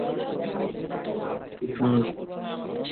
পোশাকটা কী সুন্দর!